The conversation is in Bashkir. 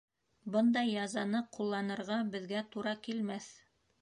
Бындай язаны ҡулланырға беҙгә тура килмәҫ...